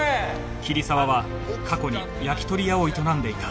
桐沢は過去に焼き鳥屋を営んでいた